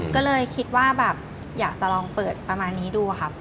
ก็เลยคิดว่าแบบอยากจะลองเปิดประมาณนี้ดูครับ